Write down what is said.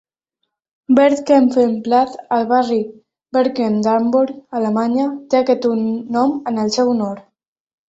Bert-Kaempfert-Platz, al barri Barmbek d'Hamburg, Alemanya, té aquest nom en el seu honor.